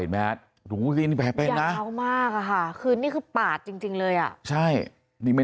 เห็นไหมรู้นี่แผลไปมากคือนี่คือปาดจริงเลยอ่ะใช่นี่ไม่